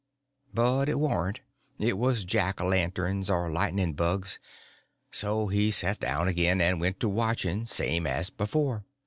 But it warn't. It was Jack o' lanterns, or lightning bugs; so he set down again, and went to watching, same as before.